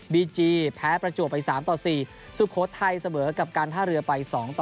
บีจีแพ้ประจวบไป๓ต่อ๔สุโขทัยเสมอกับการท่าเรือไป๒ต่อ